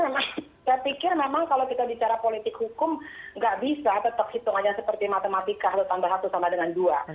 memang saya pikir memang kalau kita bicara politik hukum nggak bisa tetap hitung aja seperti matematika atau tambah satu sama dengan dua